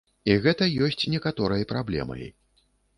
І гэта ёсць некаторай праблемай.